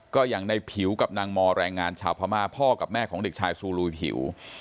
ก็อย่างในผิวกับนางมอแรงงานชาวพม่าพ่อกับแม่ของเด็กชายซูลุยผิว